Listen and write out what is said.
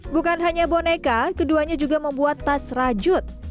bukan hanya boneka keduanya juga membuat tas rajut